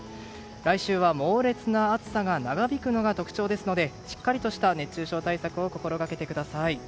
来週は猛烈な暑さが長引くのが特徴ですのでしっかりとした熱中症対策を心がけてください。